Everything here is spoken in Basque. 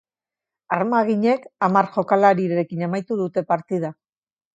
Armaginek hamar jokalarirekin amaitu dute partida.